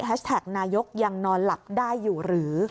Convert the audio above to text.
นายกยังนอนหลับได้อยู่หรือ